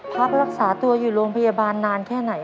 พักรักษาตัวอยู่โรงพยาบาลนานแค่ไหน